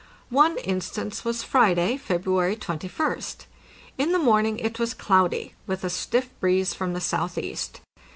One instance was Friday, February 21st. In the morning it was cloudy, with a stiff breeze from the southeast.